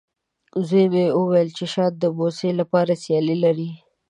زوی مې وویلې، چې د شات د بوسې لپاره سیالي لري.